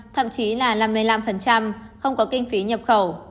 thậm chí là năm mươi năm không có kinh phí nhập khẩu